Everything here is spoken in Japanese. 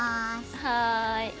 はい。